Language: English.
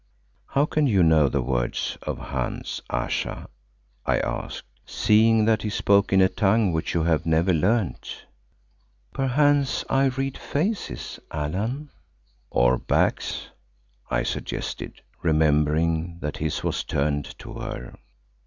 "How can you know the words of Hans, Ayesha," I asked, "seeing that he spoke in a tongue which you have never learned?" "Perchance I read faces, Allan." "Or backs," I suggested, remembering that his was turned to her.